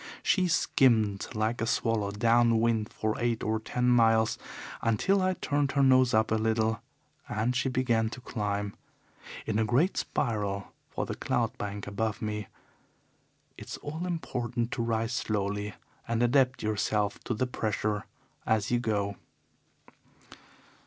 She skimmed like a swallow down wind for eight or ten miles until I turned her nose up a little and she began to climb in a great spiral for the cloud bank above me. It's all important to rise slowly and adapt yourself to the pressure as you go.